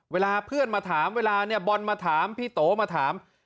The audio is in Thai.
เวลาเพื่อนมาถามเวลาเนี่ยบอลมาถามพี่โตมาถาม